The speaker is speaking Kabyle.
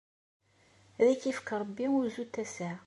Ad ak-yefk Rebbi uzu n tasa.